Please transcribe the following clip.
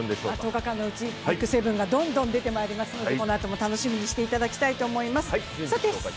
１０日間のうちにＢＩＧ７がどんどん出てきますのでこのあとも楽しみにしていただきたいと思います。